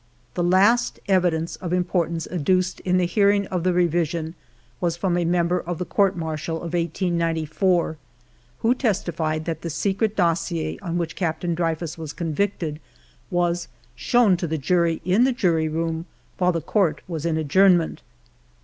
The last evidence of importance adduced in the hearing of the revision was from a member of the court martial of 1894, who testi fied that the secret dossier on which Captain Drey xiv EDITOR'S PREFACE fus was convicted was shown to the jury in the jury room while the court was in adjournment.